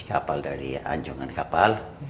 kapal dari anjungan kapal